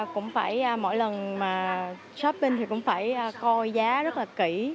cũng phải mỗi lần mà shopping thì cũng phải coi giá rất là kỹ